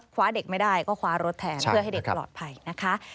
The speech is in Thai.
คว้าเด็กไม่ได้ก็คว้ารถแทนเพื่อให้เด็กปลอดภัยนะคะ